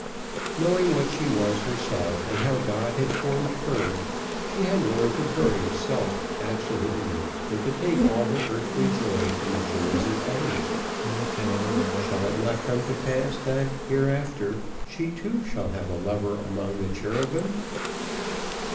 Knowing what she was herself and how God had formed her, she had learned to bury self absolutely and to take all her earthly joy from the joys of others. Shall it not come to pass that, hereafter, she too shall have a lover among the cherubim?